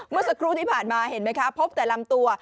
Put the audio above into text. เมื่อสักครู่ที่ผ่านมาเห็นไหมคะพบแต่ลำตัว